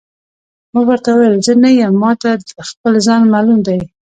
ما ورته وویل: زه نه یم، ما ته خپل ځان معلوم دی.